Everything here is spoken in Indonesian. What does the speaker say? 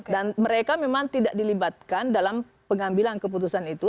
dan mereka memang tidak dilibatkan dalam pengambilan keputusan itu